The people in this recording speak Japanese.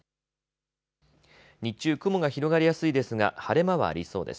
日中、雲が広がりやすいですが晴れ間はありそうです。